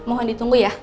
mohon ditunggu ya